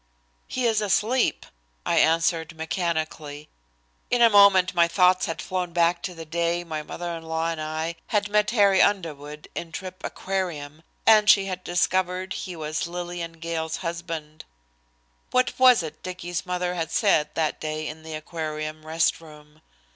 "He is asleep," I answered mechanically. In a moment my thoughts had flown back to the day my mother in law and I had met Harry Underwood in trip Aquarium, and she had discovered he was Lillian Gale's husband. What was it Dicky's mother had said that day in the Aquarium rest room?